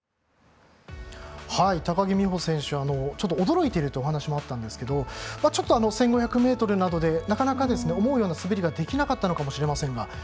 高木美帆選手は驚いているというお話もあったんですけどちょっと１５００ｍなどでなかなか、思うような滑りができなかったかもしれませんが。